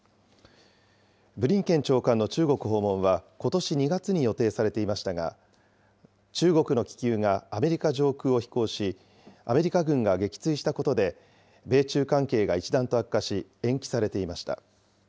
ブリンケン長官の中国訪問は、ことし２月に予定されていましたが、中国の気球がアメリカ上空を飛行し、アメリカ軍が撃墜したことで、米中関係が一段と悪化し、延期されていました。